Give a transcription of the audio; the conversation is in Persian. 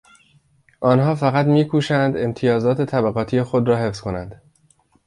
آنها فقط میکوشند امتیازات طبقاتی خود را حفظ کنند.